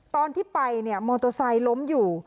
ตอนที่ไปเนี่ยมอเตอร์ไซค์ล้มอยู่